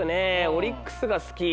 オリックスが好き。